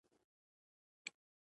افغانستان زما کعبه ده؟